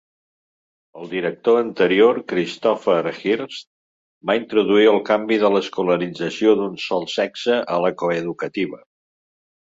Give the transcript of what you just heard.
El director anterior, Christopher Hirst, va introduir el canvi de l'escolarització d'un sol sexe a la co-educativa.